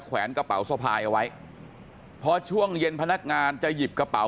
แวนกระเป๋าสะพายเอาไว้พอช่วงเย็นพนักงานจะหยิบกระเป๋า